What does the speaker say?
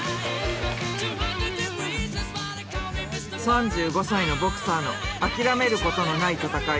３５歳のボクサーのあきらめることのない闘い。